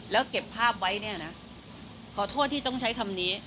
แล้วเก็บภาพไว้เนี่ยนะขอโทษที่ต้องใช้คำนี้